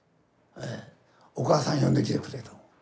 「お母さん呼んできてくれ」と。